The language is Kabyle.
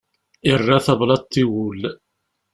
Irra tablaḍt i wul.